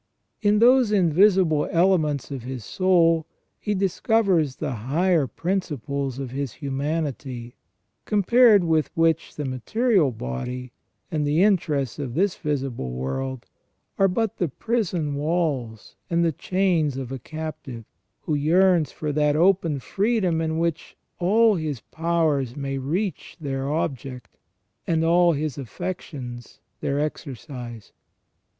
In those invisible elements of his soul he discovers the higher principles of his humanity, com pared with which the material body, and the interests of this visible world, are but the prison walls and the chains of a captive, who yearns for that open freedom in which all his powers may reach their object, and all his affections their exercise.